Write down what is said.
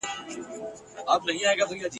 ازل یوازي زما قلم ته دی ستا نوم ښودلی ..